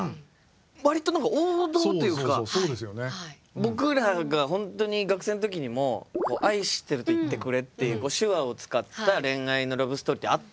僕らが本当に学生の時にも「愛していると言ってくれ」っていう手話を使った恋愛のラブストーリーってあったんですけど。